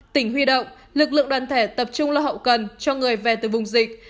tỉnh huy động lực lượng đoàn thể tập trung lo hậu cần cho người về từ vùng dịch